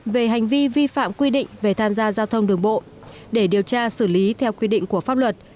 về hành vi vi phạm quy định về tham gia giao thông đường bộ để điều tra xử lý theo quy định của pháp luật